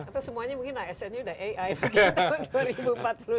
atau semuanya mungkin asn nya udah ai begitu dua ribu empat puluh lima